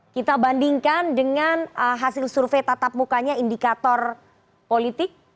kita bandingkan dengan hasil survei tatap mukanya indikator politik